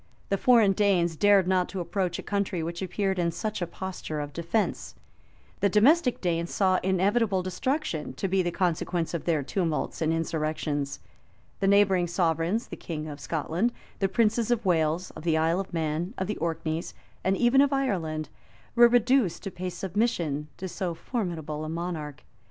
[] The foreign Danes dared not to approach a country which appeared in such a posture of defence: the domestic Danes saw inevitable destruction to be the consequence of their tumults and insurrections: the neighboring sovereigns, the king of Scotland, the princes of Wales, of the Isle of Man, of the Orkneys, and even of Ireland,[] were reduced to pay submission to so formidable a monarch.